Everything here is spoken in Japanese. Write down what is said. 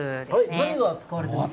何が使われていますか？